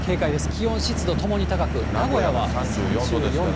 気温、湿度ともに高く名古屋は３４度ですから。